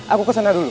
aku kesana dulu